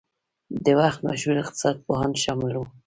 د وخت مشهور اقتصاد پوهان شامل وو.